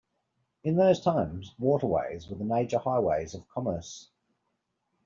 In those times, waterways were the major highways of commerce.